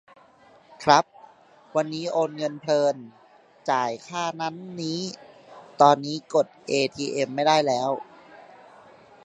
ครับ วันนี้โอนเงินเพลิน จ่ายค่านั่นนี่ ตอนนี้กดเอทีเอ็มไม่ได้แล้ว